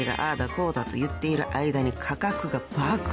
こうだと言っている間に価格が爆上がり］